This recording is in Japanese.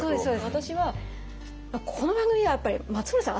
私はこの番組はやっぱり松村さん